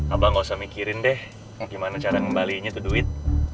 abah nggak usah mikirin deh gimana cara ngembalikannya tuh duit